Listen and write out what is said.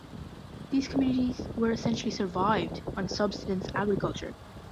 These communities were essentially survived on subsistence agriculture.